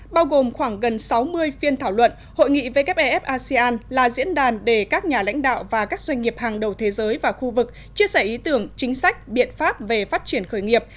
bao gồm khoảng gần sáu mươi phiên thảo luận hội nghị wef asean là diễn đàn để các nhà lãnh đạo và các doanh nghiệp hàng đầu thế giới và khu vực chia sẻ ý tưởng chính sách biện pháp về phát triển khởi nghiệp